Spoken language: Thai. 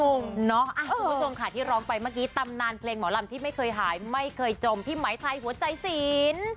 คุณผู้ชมค่ะที่ร้องไปเมื่อกี้ตำนานเพลงหมอลำที่ไม่เคยหายไม่เคยจมพี่ไหมไทยหัวใจศีล